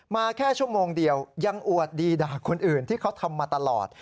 แค่ชั่วโมงเดียวยังอวดดีด่าคนอื่นที่เขาทำมาตลอด